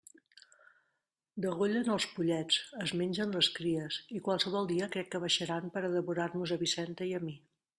Degollen els pollets, es mengen les cries, i qualsevol dia crec que baixaran per a devorar-nos a Vicenta i a mi!